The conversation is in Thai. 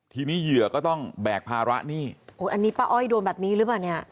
ทีนี้เหยื่อก็ต้องแบกภาระหนี้อันนี้ป้าอ้อยโดนแบบนี้หรือเปล่าเนี่ย